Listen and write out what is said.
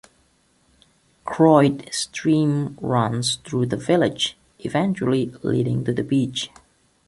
Croyde Stream runs through the village, eventually leading to the beach.